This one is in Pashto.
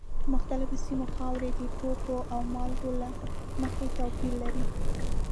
د مختلفو سیمو خاورې د توکو او مالګو له مخې توپیر لري.